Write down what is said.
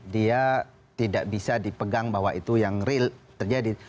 dia tidak bisa dipegang bahwa itu yang real terjadi